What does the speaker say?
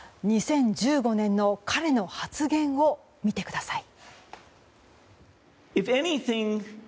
２０１５年の彼の発言を見てください。